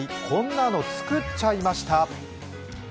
こんなのつくっちゃいました」。